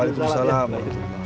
dan kita berbincang ya